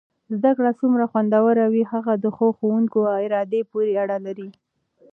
زده کړه څومره خوندور وي هغه د ښو کوونکو ارادې پورې اړه لري.